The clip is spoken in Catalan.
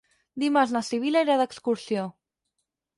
Dimarts na Sibil·la irà d'excursió.